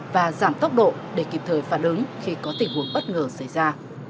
và giảm tốc độ để kịp thời phản ứng khi có tình huống bất ngờ xảy ra